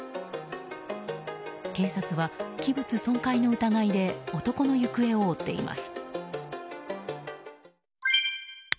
警察は器物損壊の疑いで男の行方を追っています。